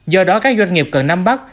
do đó các doanh nghiệp cần nắm bắt